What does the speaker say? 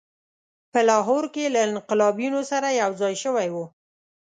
په لاهور کې له انقلابیونو سره یوځای شوی وو.